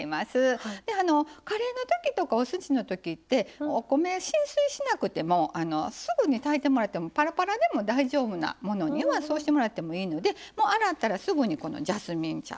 カレーのときとかおすしのときってお米浸水しなくてもすぐに炊いてもらってもぱらぱらでも大丈夫なものにはそうしてもらってもいいので洗ったらすぐにジャスミン茶。